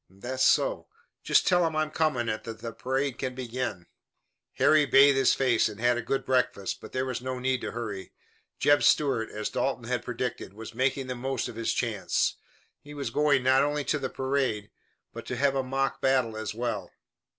"That's so. Just tell 'em I'm coming and that the parade can begin." Harry bathed his face and had a good breakfast, but there was no need to hurry. Jeb Stuart, as Dalton had predicted, was making the most of his chance. He was going not only to parade, but to have a mock battle as well.